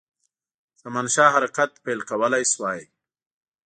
زمانشاه حرکت پیل کولای شوای.